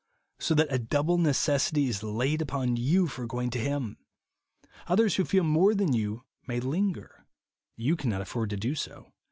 So that a double necessity is laid upon you for going to Him. Others who feel more than you may linger. You cannot afford to do so.